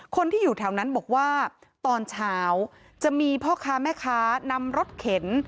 คนที่อยู่แถวนั้นบอกว่าตอนเช้าจะมีพ่อค้าแม่ค้านำรถเข็น